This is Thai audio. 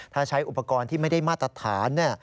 ถ้าใช้อุปกรณ์ที่ไม่ได้มาตรฐาน